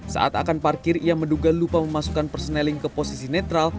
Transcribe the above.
saat akan parkir ia menduga lupa memasukkan perseneling ke posisi netral